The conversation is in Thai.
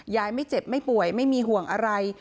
ไม่เจ็บไม่ป่วยไม่มีห่วงอะไร